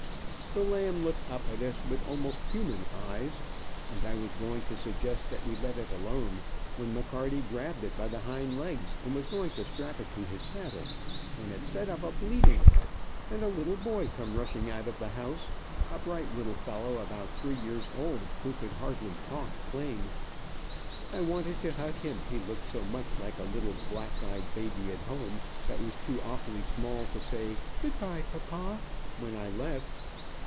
The lamb looked up at us with almost human eyes, and I was going to suggest that we let it alone, when McCarty grabbed it by the hind legs and was going to strap it to his saddle, when it set up a bleating, and a little boy come rushing out of the house, a bright little fellow about three years old, who could hardly talk plain. I wanted to hug him, he looked so much like a little black eyed baby at home, that was too awfully small to say "good bye, papa" when I left.